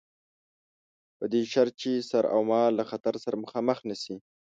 په دې شرط چې سر اومال له خطر سره مخامخ نه شي.